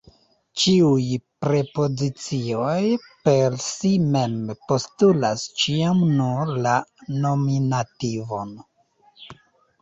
Ĉiuj prepozicioj per si mem postulas ĉiam nur la nominativon.